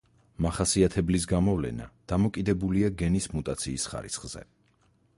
მახასიათებლის გამოვლენა დამოკიდებულია გენის მუტაციის ხარისხზე.